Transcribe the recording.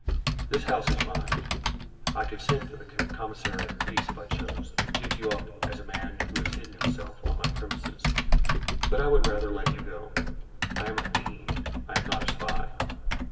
"This house is mine; I could send for the commissary of police if I chose, and give you up as a man who has hidden himself on my premises, but I would rather let you go; I am a fiend, I am not a spy."